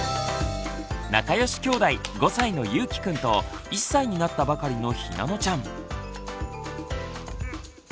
仲良しきょうだい５歳のゆうきくんと１歳になったばかりのひなのちゃん。